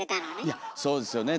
いやそうですよね